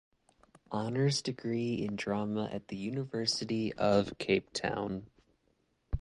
Honours degree in Drama at the University of Cape Town.